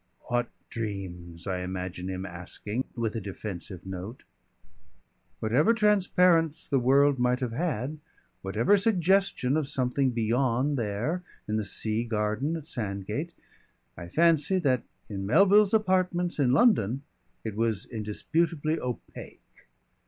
_" "What dreams?" I imagine him asking, with a defensive note. Whatever transparence the world might have had, whatever suggestion of something beyond there, in the sea garden at Sandgate, I fancy that in Melville's apartments in London it was indisputably opaque.